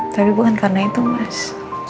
tapi bukan karena itu mas